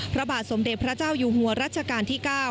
พระบาทสมเด็จพระเจ้าอยู่หัวรัชกาลที่๙